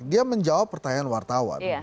dia menjawab pertanyaan wartawan